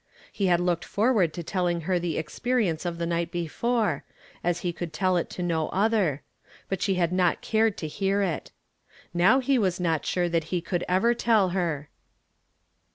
He had looked forward to telling her the experience of the night before, as he could tell it to no other; but she had not cared to hear it. Now he was not sure that he could ever tell her.